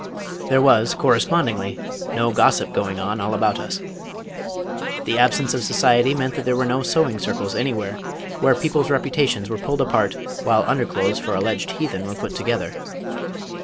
There was correspondingly no gossip going on all about us. The absence of society meant that there were no Sewing Circles anywhere where peoples' reputations were pulled apart while under clothes for alleged heathen were put together.